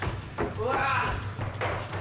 うわ！